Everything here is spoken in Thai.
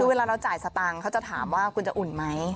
คือเวลาเราจ่ายสตางค์เขาจะถามว่าคุณจะอุ่นไหม